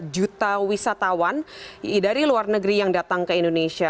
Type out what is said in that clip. empat juta wisatawan dari luar negeri yang datang ke indonesia